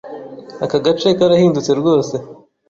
Aka gace karahindutse rwose.